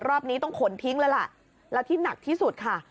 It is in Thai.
รอบนี้ต้องขนทิ้งเลยล่ะแล้วที่หนักที่สุดค่ะ